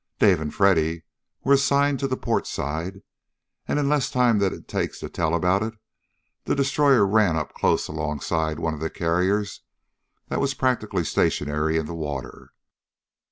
Dave and Freddy were assigned to the port side, and in less time than it takes to tell about it, the destroyer ran up close alongside one of the carriers that was practically stationary in the water.